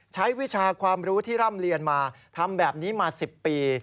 วิชาความรู้ที่ร่ำเรียนมาทำแบบนี้มา๑๐ปี